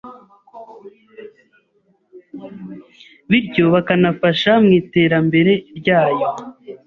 bityo bakanafasha mu iterambere ryayo